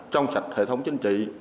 trong sạch hệ thống chính trị